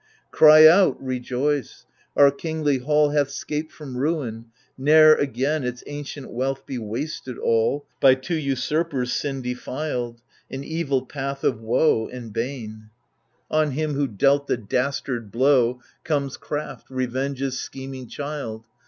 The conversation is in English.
Cry out, rejoice ! our kingly hall Hath 'scaped from ruin — ne'er again Its ancient wealth be wasted all By two usurpers, sin defiled — An evil path of woe and bane ! 126 THE LIBATION BEARERS On him who dealt the dastard blow Comes Craft, Revenge's scheming child.